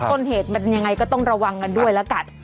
ต้นเหตุมันยังไงก็ต้องระวังกันด้วยแล้วกัน